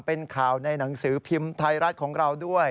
เป็นข่าวในหนังสือพิมพ์ไทยรัฐของเราด้วย